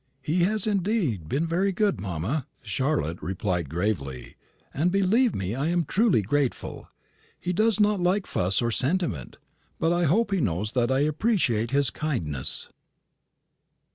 "He has indeed been very good, mamma," Charlotte replied gravely, "and, believe me, I am truly grateful. He does not like fuss or sentiment; but I hope he knows that I appreciate his kindness."